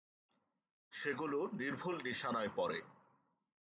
সেগুলো নির্ভুল নিশানায় পড়ে।